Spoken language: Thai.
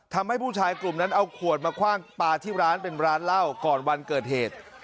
ทำให้ผู้ชายกลุ่มนั้นเอาขวดมาคว่างปลาที่ร้านเป็นร้านเหล้าก่อนวันเกิดเหตุ